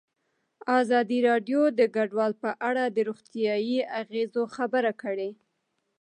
ازادي راډیو د کډوال په اړه د روغتیایي اغېزو خبره کړې.